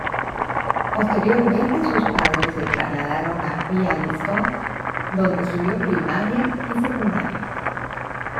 Posteriormente sus padres se trasladaron a Białystok, donde estudió primaria y secundaria.